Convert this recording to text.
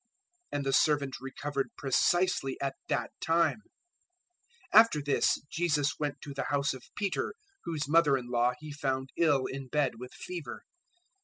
And the servant recovered precisely at that time. 008:014 After this Jesus went to the house of Peter, whose mother in law he found ill in bed with fever.